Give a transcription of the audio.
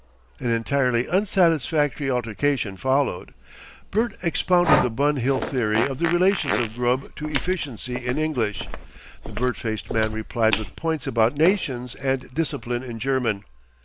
An entirely unsatisfactory altercation followed. Bert expounded the Bun Hill theory of the relations of grub to efficiency in English, the bird faced man replied with points about nations and discipline in German.